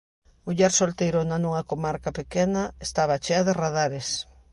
Muller solteirona nunha comarca pequena, estaba chea de radares.